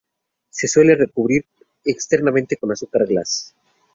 Se suele recubrir externamente con azúcar glas.